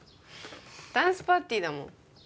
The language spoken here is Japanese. ダンスパーティーだもん